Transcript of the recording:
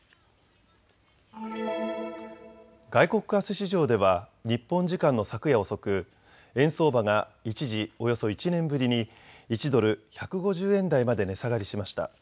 外国為替市場では日本時間の昨夜遅く、円相場が一時およそ１年ぶりに１ドル１５０円台まで値下がりしました。